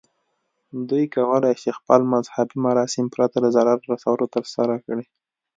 دوی کولی شي خپل مذهبي مراسم پرته له ضرر رسولو ترسره کړي.